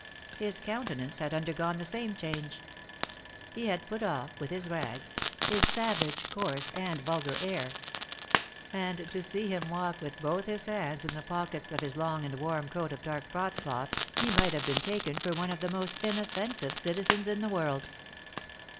His countenance had undergone the same change; he had put off, with his rags, his savage, coarse, and vulgar air; and to see him walk with both his hands in the pockets of his long and warm coat of dark broadcloth, he might have been taken for one of the most inoffensive citizens in the world.